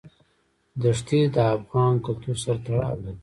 دښتې د افغان کلتور سره تړاو لري.